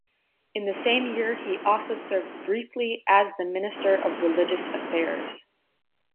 In the same year he also served briefly as the Minister of Religious Affairs.